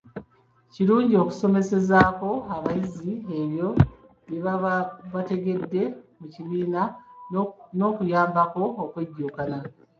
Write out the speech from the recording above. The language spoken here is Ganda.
Kirungi okusomesezaako abayizi ebyo bye baaba batategedde mu kibiina n'okuyambako okwejjukanya.